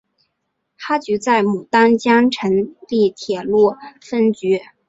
哈局在牡丹江成立铁路分局。